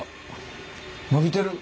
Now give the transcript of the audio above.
伸びてる。